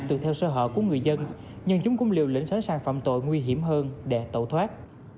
tự theo sơ hở của người dân nhưng chúng cũng liều lĩnh sáng sản phạm tội nguy hiểm hơn để tẩu thoát